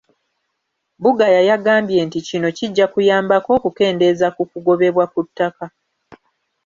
Bugaya yagambye nti kino kijja kuyambako okukendeeeza ku kugobebwa ku ttaka.